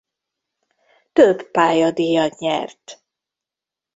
Több pályadíjat nyert.